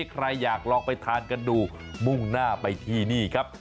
ใครอยากลองไปทานกันดูมุ่งหน้าไปที่นี่ครับ